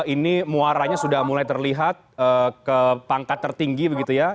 ini muaranya sudah mulai terlihat ke pangkat tertinggi begitu ya